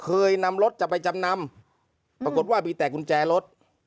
เคยนำรถจะไปจำนำปรากฏว่ามีแต่กุญแจรถ